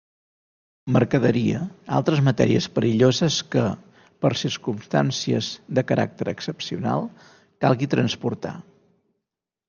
Mercaderia: altres matèries perilloses que, per circumstàncies de caràcter excepcional, calgui transportar.